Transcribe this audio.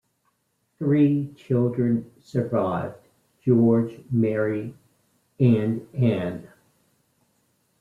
Three children survived: George, Mary and Anne.